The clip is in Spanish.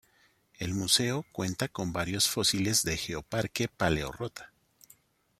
El museo cuenta con varios fósiles de Geoparque Paleorrota.